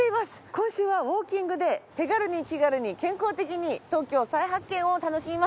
今週はウォーキングで手軽に気軽に健康的に東京再発見を楽しみます。